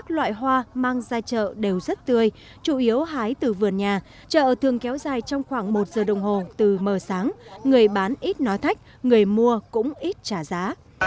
các loại hoa mang ra chợ đều rất tươi chủ yếu hái từ vườn nhà chợ thường kéo dài trong khoảng một giờ đồng hồ từ mờ sáng người bán ít nói thách người mua cũng ít trả giá